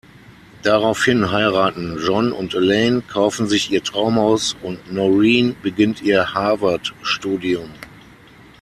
Daraufhin heiraten John und Elaine, kaufen sich ihr Traumhaus und Noreen beginnt ihr Harvard-Studium.